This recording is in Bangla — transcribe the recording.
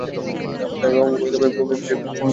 তার বাবা-মা উভয়েই ভূমিহীন কৃষি শ্রমিক ছিলেন।